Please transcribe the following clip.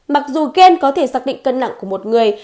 mặc dù kiên có thể xác định cân nặng của một người